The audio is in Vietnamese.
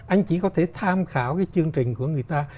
anh chỉ có thể tham khảo cái chương trình của người ta